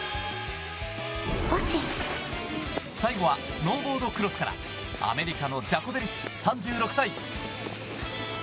最後はスノーボードクロスからアメリカのジャコベリス３６歳。